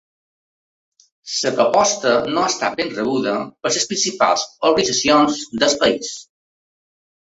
La proposta no ha estat ben rebuda per les principals organitzacions del país.